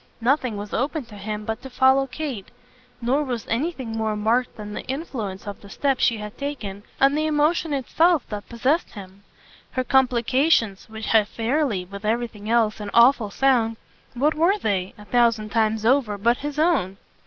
Nothing was open to him but to follow Kate, nor was anything more marked than the influence of the step she had taken on the emotion itself that possessed him. Her complications, which had fairly, with everything else, an awful sound what were they, a thousand times over, but his own?